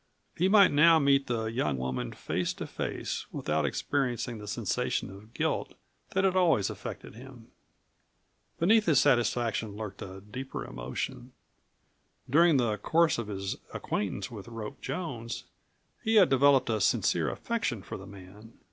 He might now meet the young woman face to face, without experiencing the sensation of guilt that had always affected him. Beneath his satisfaction lurked a deeper emotion. During the course of his acquaintance with Rope Jones he had developed a sincere affection for the man.